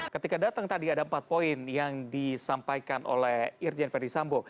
ketika datang tadi ada empat poin yang disampaikan oleh irjen ferdisambo